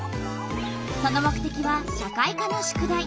その目てきは社会科の宿題。